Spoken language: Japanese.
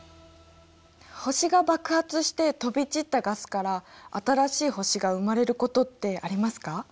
星が爆発して飛び散ったガスから新しい星が生まれることってありますか？